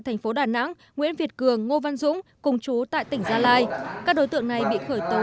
thành phố đà nẵng nguyễn việt cường ngô văn dũng cùng chú tại tỉnh gia lai các đối tượng này bị khởi tố